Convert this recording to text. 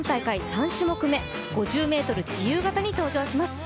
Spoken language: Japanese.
３種目め、５０ｍ自由形に登場します。